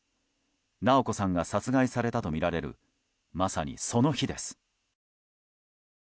直子さんが殺害されたとみられるまさに、その日です。